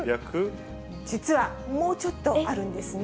実は、もうちょっとあるんですね。